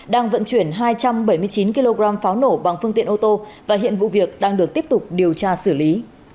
đang vận chuyển hai trăm bảy mươi chín kg pháo nổ bằng phương tiện ô tô và hiện vụ việc đang được tiếp tục điều tra xử lý